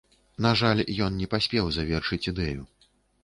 На жаль, ён не паспеў завершыць ідэю.